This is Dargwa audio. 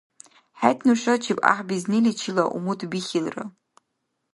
ХӀед нушачиб гӀяхӀбизниличи умутбихьилра!